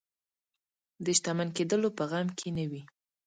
د شتمن کېدلو په غم کې نه وي.